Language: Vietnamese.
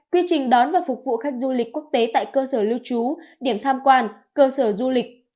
quy trình đón và phục vụ khách du lịch quốc tế tại cơ sở lưu trú điểm tham quan cơ sở du lịch